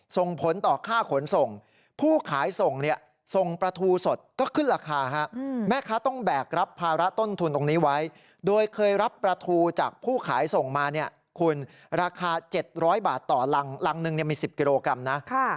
ส่งมาคุณราคา๗๐๐บาทต่อรังรังหนึ่งมี๑๐กิโลกรัมนะ